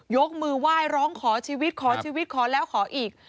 ยกมือไหว้ร้องขอชีวิตขอชีวิตขอแล้วขออีก